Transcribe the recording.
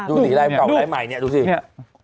ดูสิลายเก่าลายใหม่ดูสิ